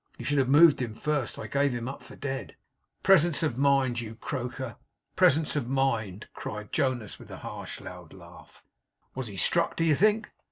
'You should have moved him first. I gave him up for dead.' 'Presence of mind, you croaker, presence of mind' cried Jonas with a harsh loud laugh. 'Was he struck, do you think?